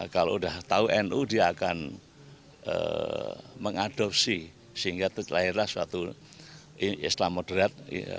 kalau sudah tahu nu dia akan mengadopsi sehingga terlahirlah suatu islam moderat